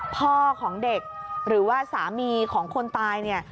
พ่อของเด็กหรือว่าสามีของคนตายเนี่ย